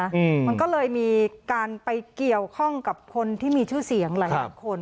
อืมมันก็เลยมีการไปเกี่ยวข้องกับคนที่มีชื่อเสียงหลายหลายคน